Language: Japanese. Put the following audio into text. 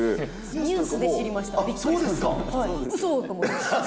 ニュースで知りました。